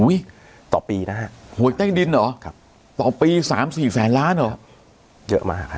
ต่อปีนะฮะหวยใต้ดินเหรอครับต่อปี๓๔แสนล้านเหรอเยอะมากครับ